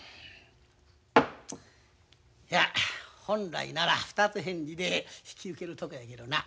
いや本来なら二つ返事で引き受けるとこやけどな。